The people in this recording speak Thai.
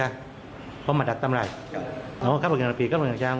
ก็สารภาพว่าตั้งใจก่อเวทจริงโดยอ้างว่านายวีรพันธ์คนขี่รถจักรยานยนต์รับจ้าง